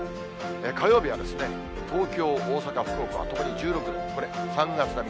火曜日は、東京、大阪、福岡はともに１６度、これ、３月並み。